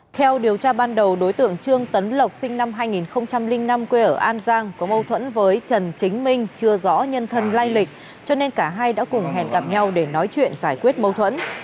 theo điều tra ban đầu đối tượng trương tấn lộc sinh năm hai nghìn năm quê ở an giang có mâu thuẫn với trần chính minh chưa rõ nhân thân lai lịch cho nên cả hai đã cùng hẹn gặp nhau để nói chuyện giải quyết mâu thuẫn